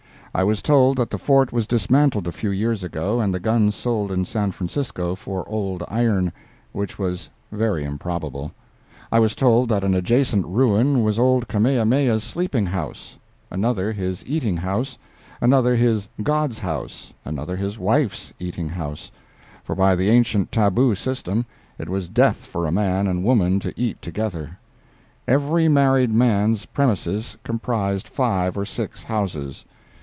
I was told that the fort was dismantled a few years ago, and the guns sold in San Francisco for old iron—which was very improbable. I was told that an adjacent ruin was old Kamehameha's sleeping house; another, his eating house; another, his god's house; another, his wife's eating house—for by the ancient tabu system, it was death for man and woman to eat together. Every married man's premises comprised five or six houses.